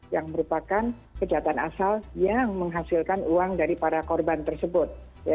yang merupakan kejahatan asal yang menghasilkan uang dari para korban tersebut